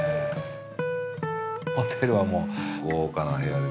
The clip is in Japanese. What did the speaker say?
ホテルはもう豪華な部屋で。